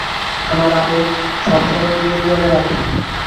আমার আবেগ, সবসময় নিয়ন্ত্রণে রাখি।